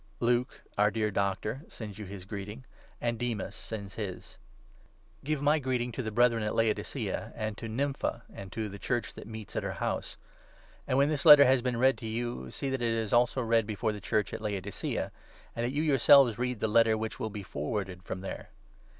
Luke, our dear doctor, sends you his greeting, 14 andDemassends his. Give mygreetingto the Brethren 15 at Laodicea, and to Nymphe, and to the Church that meets at her house. And when this letter has been read to you, see 16 that it is also read before the Church at Laodicea, and that you yourselves read the letter which will be forwarded from there.